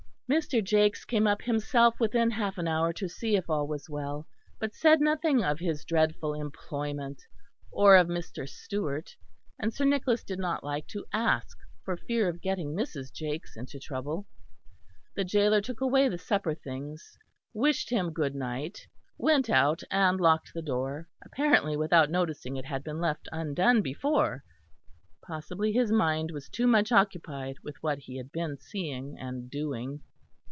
Mr. Jakes came up himself within half an hour to see if all was well; but said nothing of his dreadful employment or of Mr. Stewart; and Sir Nicholas did not like to ask for fear of getting Mrs. Jakes into trouble. The gaoler took away the supper things, wished him good night, went out and locked the door, apparently without noticing it had been left undone before. Possibly his mind was too much occupied with what he had been seeing and doing.